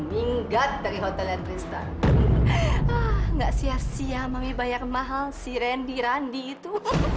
minggat dari hotel dan tristan ah enggak sia sia mami bayar mahal si randy randi itu